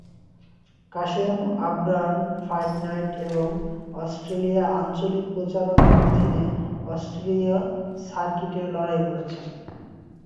Kasem urban fight night এবং Australia আঞ্চলিক প্রচারণার অধীনে অস্ট্রেলীয় সার্কিটে লড়াই করেছেন।